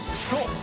そう！